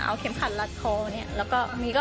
เอาเข็มขัดลัดทอเนี่ย